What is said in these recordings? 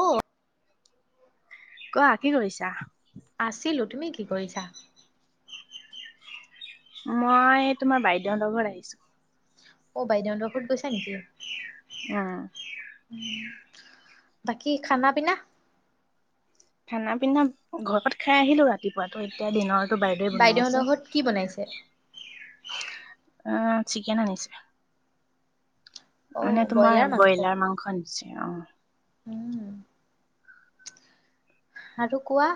অ', কোৱা কি কৰিছা? আছিলো তুমি কি কৰিছা? মই তোমাৰ বাইদেউহঁতৰ ঘৰত আহিছোঁ। অ', বাইদেউহঁতৰ ঘৰত গৈছা নেকি? উম। বাকী খানা পিনা? খানা পিনা ঘৰত খাই আহিলো ৰাতিপুৱাতো এতিয়া দিনৰ বাইদেউহঁতৰ ঘৰত কি বনাইছে? আহ, চিকেন আনিছে। অ' মানে তোমাৰ মাংস ব্ৰইলাৰ মাংস। অ'। উম। আৰু কোৱা।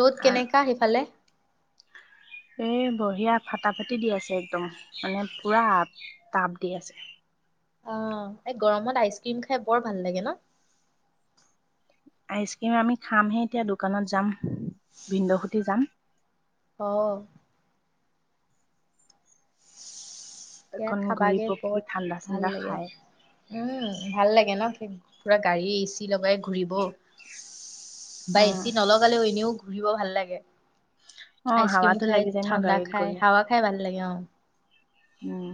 ৰ'দ কেনেকা সিফালে? এ বঢ়িয়া ফাটা ফাটি দি আছে একদম মানে পুৰা টাপ দি আছে অ, এই গৰমত আইচক্ৰীম খাই বৰ ভাল লাগে ন। আইচক্ৰীম আমি খামহে, এতিয়া দোকানত যাম ভিন্দসুতিি যাম। অ। এতিয়া অকন ঘূৰি খাবাগে, পকি বহত ঠাণ্ডা ভাল চাণ্ডা লাগে খাই। উম, ভাল লাগে ন পুৰা গাড়ী এ চি লগাই ঘূৰিব। বা উম এচি নলগালেও, এনেও ঘূৰিব ভাল লাগে। অ আইচকিম হাৱাতো খায়, লাগি যায় ন ঠাণ্ডা গাড়ীত খায়, গ'লে হাৱা খায় ভাল লাগে অ। উম।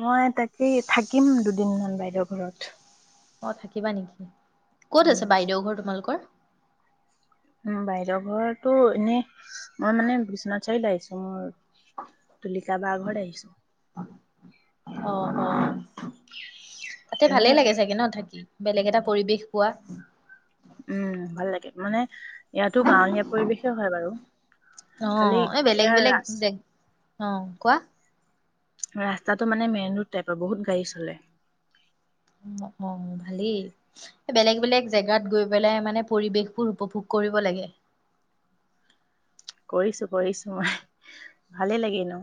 মই তাকেই থাকিম, দুদিনমান বাইদেউ ঘৰত। অ, থাকিবা নেকি? ক'ত আছে, বাইদেউ ঘৰ তোমালোকৰ? বাহিৰৰ ঘোৰটো এনে, মই মানে বিশ্বনাথ চাৰলী আহিছো মোৰ ঘৰ। অ, অ তাতে এনে ভালেই লাগে চাগে ন থাকি? বেলেগ এটা পৰিৱেশ পোৱা। উম, ভাল লাগে। মানে ইয়াতো, গাঁৱলীয়া পৰিৱেশে হয় বাৰু। অ, খালি এই বেলেগ ইয়াৰ বেলেগ ৰাস [unintelligible] কোৱা। ৰাস্তাটো মানে, মেইন ৰোড টাইপৰ বহুত গাড়ী চলে। অ, ভালেই। বেলেগ, বেলেগ জেগাত গৈ বেলাই মানে, পৰিৱেশবোৰ উপভোগ কৰিব লাগে। কৰিছো, কৰিছো মই ভালে লাগে ন।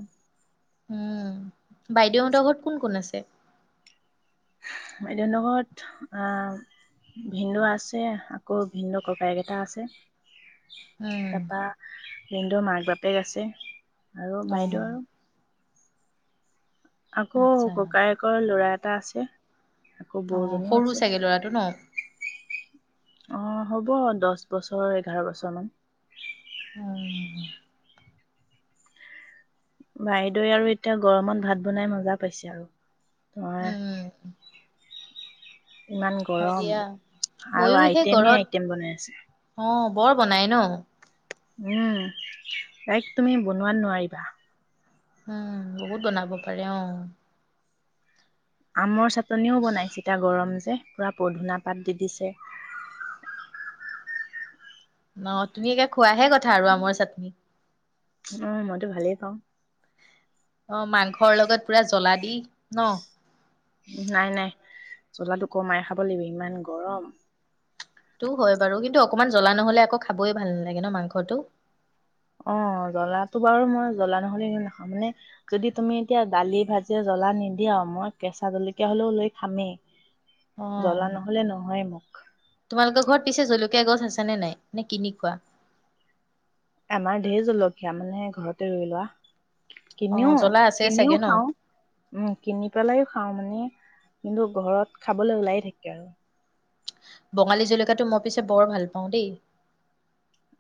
উম, বাইদেউহতৰ ঘৰত কোন, কোন আছে? বাইদেউনৰ ঘৰত আহ, ভিনদু আছে, আকৌ ভিনদু ককাইে কেইটা আছে। উম। তাৰপা ভিনদেউৰ মাক বাপেক আছে। আৰু অ বাইদেউ আৰু আকৌ আচ্ছা ককায়েকৰ ল'ৰা এটা আছে। আকৌ অ, বৌজনীও সৰু আছে চাগে লৰাটো ন। অ হ'ব দহ বছৰ এঘাৰ বছৰ মান। উম। বাইদেউে আৰু এতিয়া গৰমত ভাত বনাই মজা পাইছে আৰু। তোমাৰ? উম ইমান হয় গৰম দিয়া আৰু ময়ো সেই আইটেমেই, ঘৰত আইটেম বনাই আছে। অ বৰ বনাই ন? উম, তাইক তুমি বনোৱাত নোৱাৰিবা। উম, বহুত বনাব পাৰে অ'। আমৰ চাট চনিও বনাই [unintelligible] গৰম পুৰা পধুনা পাত দি দিছে। ন, তুমি একে খোৱাহে কথা আৰু আমৰ চাটনী। উম, মইতো ভালেই পাওঁ। অ', মাংসৰ লগত পুৰা জ্বলা দি ন? নাই নাই জ্বলাটো কমাই খাব লাগিব ইমান গৰম। টো হয়, বাৰু কিন্তু অকমান জ্বলা নহ'লে আকৌ খাবই ভাল নালাগে ন মাংসটো? অ', জ্বলাটো বাৰু মই জ্বলা নহ'লে এনেও নাখাওঁ মানে যদি তুমি এতিয়া দালি, ভাজি জ্বলা নিদিয়া মই কেঁচা জলকীয়া হ'লেও লৈ খামেই। অ, জ্বলা নহ'লে নহয়ে মোক। তোমালোকৰ ঘৰত পিছে জলকীয়া গছ আছে নে নাই? নে কিনি খোৱা? আমাৰ ঢেৰ জলকীয়া মানে ঘৰতে ৰুই লোৱা। অ, কিনিও, জ্বলা আছে কিনিও চাগে ন খাওঁ উম, কিনি পেলাইও খাওঁ মানে কিন্তু ঘৰত খাবলৈ ওলাই থাকে আৰু। বঙালী জলকীয়াটো মই পিছে বৰ ভাল পাওঁ দেই।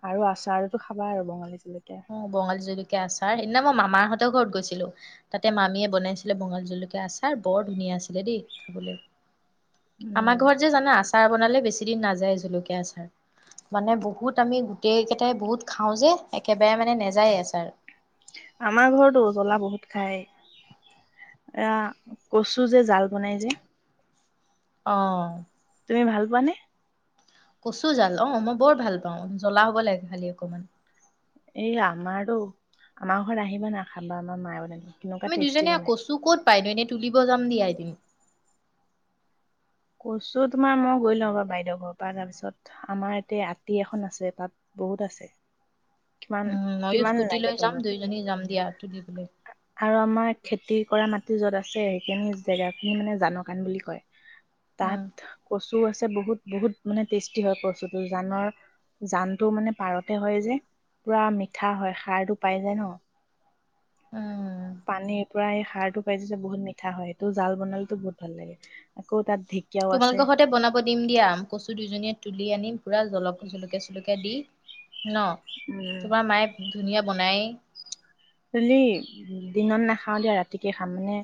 আৰু আচাৰতো খাবা আৰু বঙালী জলকীয়া অ', বঙালী জলকীয়া আচাৰ সেদিনা মই মামাৰহঁতৰ ঘৰত গৈছ তাতে মামীয়ে বনাইছিলে বঙালী জলকীয়া আচাৰ বৰ ধুনীয়া আছিলে দেই খাবলে। আমাৰ উম ঘৰত যে, জানা? আচাৰ বনালে বেছি দিন নাযায় জলকীয়া আচাৰ, মানে বহুত আমি গোটেই কেইটাই বহুত খাওঁ যে, এক একেবাৰে মানে নেযায়ে আচাৰ। আমাৰ ঘৰতো জ্বলা বহুত খায়। এ, কচু যে, জাল বনাই যে অহ। তুমি ভাল পোৱানে? কচু জাল অ', মই বৰ ভাল পাওঁ জ্বলা হ'ব লাগে খালি অকমান। এই আমাৰতো, আমাৰ ঘৰত আহিবা না খাবা আমাৰ মায়ে বনাই কেনেকুৱা মি টেষ্টি দুইজনীয়ে বনাই কচু ক'ত পাইনো এনে তুলিব যাম দিয়া এদিন। কচু তোমাৰ মই গৈ লওঁ ৰবা বাইদেউ ঘৰৰ পৰা তাৰপিছত আমাৰ ইয়াতে আতি এখন আছে তাত বহুত আছে। কিমান উম, ময়ো কিমান স্কুটি লাগে লৈ যাম তোমাক দুইজনী যাম দিয়া তুলিবলৈ। আৰু আমাৰ খেতি কৰা মাটি য'ত আছে সেইখিনি জেগাখিনি মানে জানকাণ বুলি কয়। উম তাত কচু আছ বহুত, বহুত মানে টেষ্টি হয়, কচুটো জানৰ জানটো মানে পাৰতে হয়, যে। পুৰা মিঠা হয় সাৰটো পাই যায় ন উম। পানীৰ এই সাৰটো পাই যে যে বহুত মিঠা হয় তটো জাল বনালোো বহুত ভাল লাগে আকৌ তাত ঢেকীয়াও আছে তোমালোকৰ সতে বনাব দিম দিয়া কচু দুইজনীয়ে তুলি আনি পুৰা জলকজ ে দি ন তোমাৰ মায়ে ধুনীয়া মনাই হলি দিনত নাখাও দিয়া ৰাতিকে খাম মানে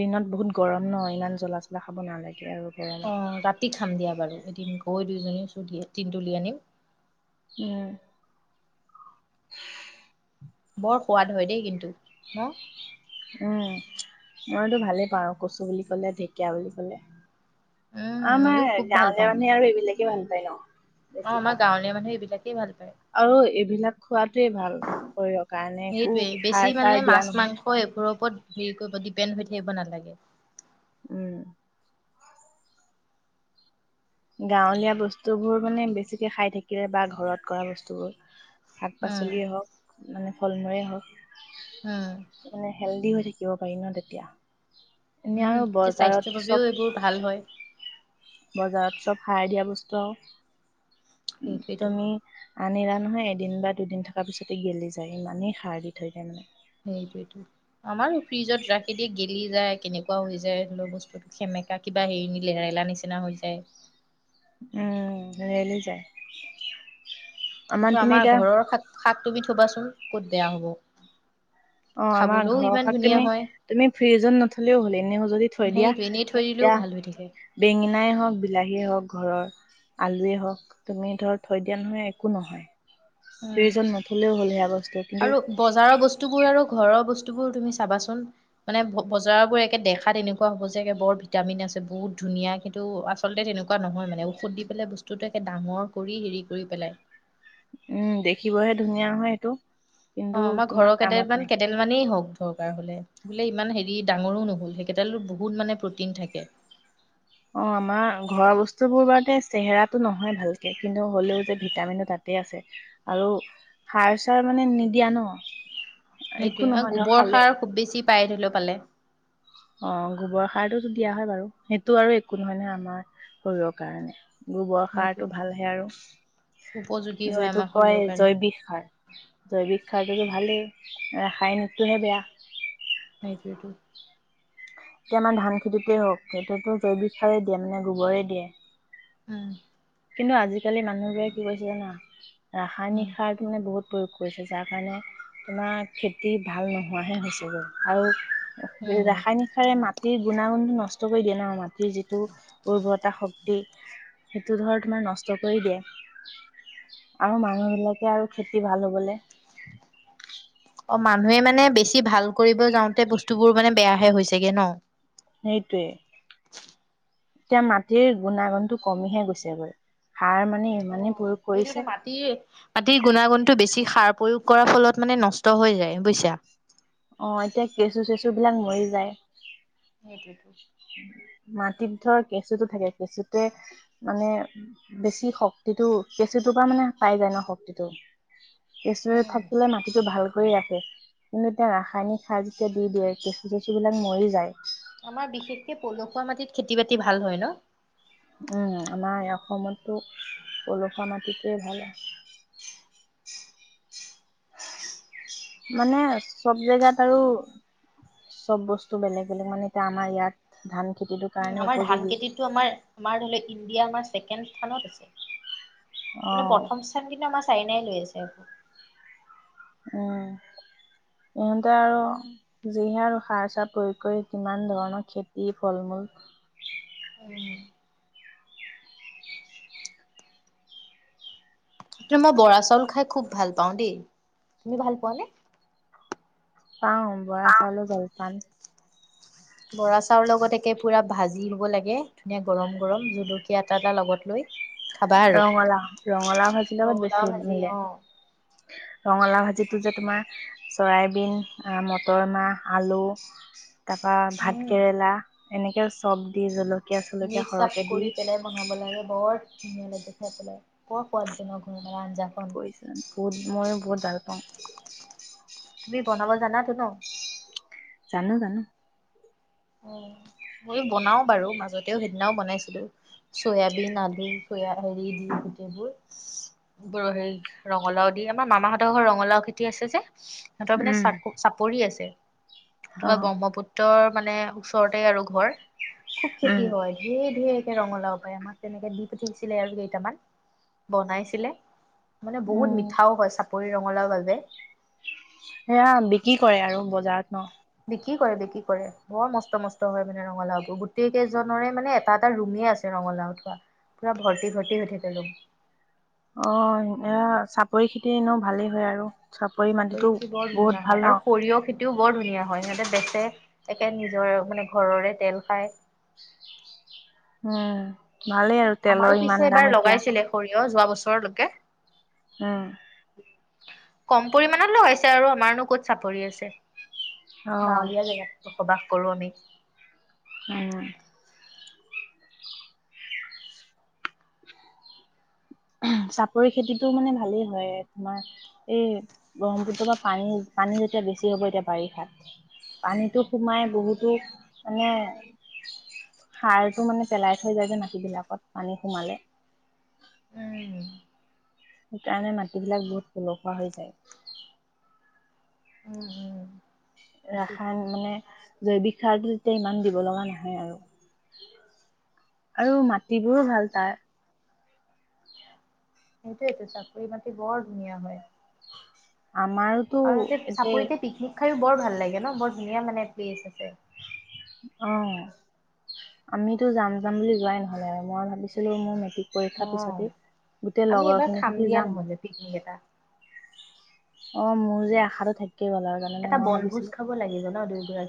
দিনত বহুত গৰম ন ইমান জ্বলা চলা খাব নালাগে আৰু অ গৰমত ৰাতি খাম দিয়া বাৰু এদিন দুইজনীয়ে চুলিিয় তিন তুলি আনিম উম বৰ সোৱাদ হয় দেই কিন্তু হ উম মইতো ভালেই পাওঁ কচু বুলি ক'লে ঢেকীয়া বুলি কলে উম আমাৰ ময়ো খুব ভাল গাঁৱলে পাওঁ মানে আৰু এইবিলাক কি ভন পাই ন অ বেছিভাগ আমাৰ গাঁৱলীয়া মানুহে এইবিলাকেই ভাল পায় আৰু এইবিলাক খোৱাাতোৱে ভাল শৰীৰৰ কাৰণে একো সেইটোৱে বেছি সাৰ মানে চাৰ দিয়া মাছ নহয় মাংস এইবোৰৰ ওপৰত হেৰি কৰিব ডিপেণ্ড হৈ থাকিব নালাগে উম গাঁৱলীয়া বস্তুবোৰ মানে বেছিকে খাই থাকিলে বা ঘৰত কৰা বস্তুবোৰ শাক উম পাচলিয়ে হওক মানে ফলমূয় উম হওক মানে হেল্ডি হয় থ শিকিব পাৰি ন তেতিয়া এনে আৰু উম তেয়া বজাৰত স্বাস্থ্যৰ চব বাবেও এইবোৰ ভাল হয় বজাৰত চব সাৰ দিয়া বস্তু আৰু উ সেইটোৱেইটো তুমি আনিলা নহয় এদিন বা দুদিন থকাৰ পিছতে গেলি যায় ইমানেই সাৰ দি থৈ যায় মানে সেইটোটো আমাৰো ফ্ৰিজত ৰাখি দিয়ে গেলি যায় কেনেকুৱা হৈ যায় ধ লওক বস্তু সেমেকা কিবা হেৰি লেৰালা নিচিনা হৈ যায় উম ললি যায় তুমি আমাৰ এতিয়া ঘৰৰ শাকটোবি থবাচোন ক'ত বেয়া হ'ব অ আমাৰ খাবলৈও ইমান ঘৰৰখন ধুনীয়া তুমি হয় তুমি ফ্ৰিজত নথলেও হলে এনে সজদি থৈ দিয়া সেইটো এনেই থৈ দিলেও ভাল হৈ থাকে এতিয়া বেঙেনাই হওক বিলাহীয়ে হওক ঘৰৰ আলুৱে হওক তুমি ধৰ থৈ দিয়া নহয় একো নহয় উম ফ্ৰিজত নথলেও হ'ল সেয়া বস্তু কিন্তু আৰু বজাৰৰ বস্তুবোৰ আৰু ঘৰৰ বস্তু বোৰ তুমি চাবাচোন মানে বজাৰবোৰ একে দেখাত তেনেকুৱা হ'ব যে, বৰ ভিটামিন আছে বহুত ধুনীয়া কিন্তু আচলতে এনেকুৱা নহয় মানে ঔষধ দি পেলাই বস্তুতটো একে ডাঙৰ কৰি হেৰি কৰি পেলাই। উম, দেখিবহে ধুনীয়া হয়, সেইটো। অ', কিন্তু আমাৰ তোমাৰ ঘৰৰ কেড কামত নাই কেডাল মানেই হওঁক। দৰকাৰ হ'লে বোলে ইমান হেৰি ডাঙৰো ন'হল সেইকেইটালো বহুত মানে প্ৰটিন থাকে। অ', আমাৰ ঘৰৰ বস্তুবোৰ বাৰতে চেহেৰাটো ন'হয় ভালকে কিন্তু হ'লেও যে, ভিটামিনটো তাতে আছে আৰু সাৰ চাৰ মানে নিদিয়া ন। একো সেইটোয়ে নহয় ধৰ গোবৰ খালেও সাৰ খুব বেছি। পাই দিলো পালে। অ', গোবৰ সাৰটো দিয়া হয়, বাৰু সেইটো আৰু একো নহয়, নহয় আমাৰ শৰীৰৰ কাৰণে। গোবৰ সাৰতটো সেইটোৱেটো ভালহে আৰু উপযোগী হয় আমাৰ যিটোক শৰীৰৰ কয় কাৰণে জৈৱিক সাৰ জৈৱিক সাৰ সেটো ভালেই ৰাসায়নিকটোহে বেয়া। সেইটো এতিয়া আমাৰ ধান খেতিতে হওঁক সেইটোতো জৈৱিক সাৰেই দিয়ে মানে গোবৰে দিয়ে। উম। কিন্তু আজিকালি মানুহবোৰে কি হৈছে জানা? উম ৰাসায়নিক সাৰটো মানে বহুত প্ৰয়োগ কৰিছে যাৰ কাৰণে তোমাৰ খেতি ভাল নোহোৱাহে হৈছে গৈ। আৰু উম ৰাসায়নিক মাটিৰ গুণাগুণটো নষ্ট কৰি দিয়ে ন মাট যিটো উৰ্বৰতা শক্তি সেইটো ধৰ তোমাৰ নষ্ট কৰি দিয়ে আৰু মানুহ বিলাকে আৰু খেতি ভাল হ'বলে অ', মানুহে মানে বেছি ভাল কৰিব যাওঁতে বস্তুবোৰ মানে বেয়াহে হৈছেগে ন? সেইটোৱে। এতিয়া মাটিৰ গুণাগুণটো কমিহে গৈছে গৈ সাৰ মানে অ ইমানে সেইটো মাটিৰ, মাটিৰ গুণাগুণতটো বেছি সাৰ প্ৰয়োগ কৰাৰ ফলত মানে নষ্ট হৈ যায় বুইছা? অ', এতিয়া কেঁচু চেচু বিলাক মৰি যায়। সেইটোৱেটো। মাটিত ধৰ কেঁচুটো থাকে কেঁচুটোয়ে মানে বেছি শক্তিটো কেঁচুটোৰ পৰা মানে পায় যায় ন শক্তিটো। কেঁচু উম থাকিলে মাটিটো ভাল কৰি ৰাখে কিন্তু তেতি ৰাসায়নিক সাৰ যেতিয়া দি দিয়ে কেঁচু চেচু বিলাক মৰি যায়। আমাৰ বিশেষকে পলসুৱা মাটিত খেতি-বাতি ভাল হয় ন'। উম' আমাৰ এই অসমতো পলসুৱা মাটিটে ভাল মানে চব জেগাত আৰু চব বস্তু বেলেগ বেলেগ মানে এতিয়া আমাৰ ইয়াত ধান খেতিটোৰ উম কাৰণে আমাৰ ধান উপযোগী খেতিটো আমাৰ আমাৰ ধৰি ল ইণ্ডিয়া আমাৰ ছেকেণ্ড স্থানত আছে। অ কিন্তু প্ৰথম স্থান কিন্তু আমাৰ চাইনাই লৈ আছে। উম' ইহঁতে আৰু যিহে আৰু সাৰ চাৰ প্ৰয়োগ কৰি কিমান ধৰণৰ খেতি ফল মূল। উম' ত মই বৰা চাউল খাই খুব ভাল পাওঁ দেই। তুমি ভাল পোৱা নে? পাওঁ বৰা চাউলৰ জলপান। বৰা চাউল লগত একে পুৰা ভাজি হ'ব লাগে। ধুনীয়া গৰম গৰম জুলকীয়া এটা এটা লগত লৈ। খাবা আৰু ৰঙালা ৰঙালাও ভাজিৰ লগত ৰঙালাও বেছি ভাজি মিলে। অ ৰঙালাও ভাজিটো যে তোমাৰ চৰাইবিন মটৰ মাহ আলু তাৰপা উম ভাতকেৰেলা এনেকে চব দি জল মিক্স আপ কৰি পেলাই বনাব লাগে বৰ ধুনীয়া দেখাই পেলাই বৰ সোৱাদজনক হয়। মানে আঞ্জাখন কৰিছা বহুত ময়ো বহুত ভাল [unintelligible] তুমি বনাব জানাতো ন? জানো, জানো। [unintelligible] মই বনাও বাৰু মাজত ও সেইদিনাও বনাইছিলো, চয়াবিন, আলু চয়া হেৰি দি গোটেইবোৰ বৰ হেৰি ৰঙালাও দি আমাৰ মামাহঁতৰ ঘৰত ৰঙালাও খেতি আছে যে। সিহঁতৰ মানে উম চাক চাপৰি আছে। অ তোমাৰ ব্ৰহ্মপুত্ৰৰ মানে ওচৰতে আৰু ঘৰ। খুব খেতি উম হয়, ধেৰ, ধেৰ ৰঙালাও পায় আমাক তেনেকে দি পঠিয়াইছিলে আৰু কেইটামান, বনাইছিলে। মানে বহুত উম মিঠাও হয়, চাপ চাপৰিৰ ৰঙালাও বাবে সেয়া বিক্ৰী কৰে আৰু বজাৰত ন? কি কৰে বিকি কৰে বৰ মস্ত, মস্ত হয়, মানে ৰঙালাওবোৰ গোটেই কেইজনৰে মানে এটা, এটা ৰুমেই আছে ৰঙালাও থোৱা পুৰা ভৰ্তি, ভৰ্তি হৈ থাকে ৰুম। অ', অ', চাপৰি খেতি এনেও ভালেই হয়, আৰু। চাপৰি মাটিতো খেতি বৰ বহুত ধুনীয়া ভাল হয়, ন আৰু সৰিয়হ খেতিও বৰ ধুনীয়া হয়, ইহঁতে বেচে একে নিজৰ মানে ঘৰৰে তেল খায়। উম। ভালেই আৰু আমাৰো তেলৰ ইমান পিছে দাম এবাৰ এতিয়া লগাইছিলে সৰিয়হ যোৱা বছৰ ওচৰলৈকে উম। কম পৰিমাণত লগাই আৰু আমাৰনো ক'ত চাপৰি আছে। অ গাঁৱলীয়া জেগাতটো [unintelligible] কৰো আমি। উম। চাপৰি খেতিটো মানে ভালেই হয়, তোমাৰ এই ব্ৰহ্মপুত্ৰৰ পৰা পানী, পানী যেতিয়া বেছি হ'ব এতিয়া বাৰিষাত পানীটো সোমাই বহুতো মানে, সাৰটো মানে পেলাই থৈ যায় যে, মাটিবিলাকত পানী সোমালে। উম, সেইকাৰণে মাটিবিলাক বহুত পলসুৱা হৈ যায়। উম, উম, সেইটোৱেটো। ৰাসায়ন মানে জৈৱিক সাৰটো তেতিয়া ইমান দিব লগা নহয় আৰু, আৰু মাটিবোৰো ভাল তাৰ। সেইটোয়েটো চাপৰি মাটি বৰ ধুনীয়া হয়। আমাৰোতো আৰু তাতে একে চাপৰিতে [unintelligible] বৰ ভাল লাগে ন? বৰ ধুনীয়া মানে প্লেচ আছে। অ', আমিতো যাম, যাম বুলি যোৱাই নহ'লে মই ভাবিছিলো মোৰ মেটিক পৰীক্ষাৰ অ', পিছতেই গোটেই আমি লগৰ এবাৰ খিনি খাম সতি দিয়া যাম। নহ'লে পিকনিক এটা। অ', মোৰ যে আশাটো থাক এটা বনভোজ খাব লাগিব ন দুই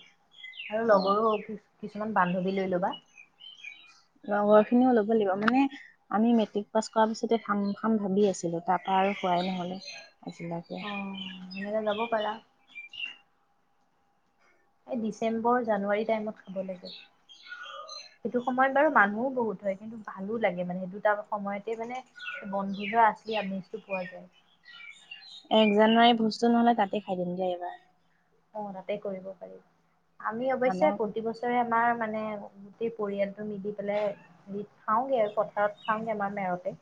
[inaudible] আৰু অ লগৰো কিছ- কিছুমান বান্ধৱী লৈ ল'বা। নাই ল'ব লাগিব, মানে আমি মেট্ৰিক পাছ কৰাৰ পিছতে খাম খাম ভাবি আছিলো তাৰপা আৰু খোৱাই নহলে আজিলৈকে অ', এনেকে লব পাৰা। এই ডিচেম্বৰ জানুৱাৰী টাইমত [inaudible] সেইটো সময়ত বাৰু মানুহো বহুত হয়, কিন্তু ভালো লাগে মানে, দুটা সময়তে মানে [unintelligible] আচলি আমেজটো পোৱা যায়। এক জানুৱাৰী ভোজটো নহলে তাতে খাই দিম দিয়া এইবাৰ। অ', তাতে কৰিব পাৰি। আমি অৱশ্যে আমাৰ প্ৰতি বছৰে আমাৰ মানে গোটেই পৰিয়ালটো মিলি পেলাই, খাওঁগে পথাৰত খাওঁগে আমাৰ মেৰতে।